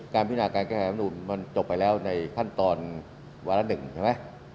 พินาการแก้รับนูนมันจบไปแล้วในขั้นตอนวาระหนึ่งใช่ไหม